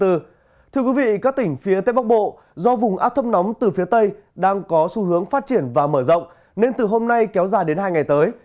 tây bắc bộ do vùng áp thấp nóng từ phía tây đang có xu hướng phát triển và mở rộng nên từ hôm nay kéo dài đến hai ngày tới